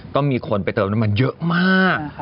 ก็มีคนไปเติมน้ำมันเยอะมาก